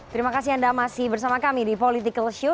terima kasih anda masih bersama kami di politikalshow